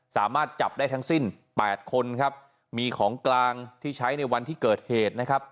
สามารถจับได้ทั้งสิ้นแปดคนครับมีของกลางที่ใช้ในวันที่เกิดเหตุนะครับ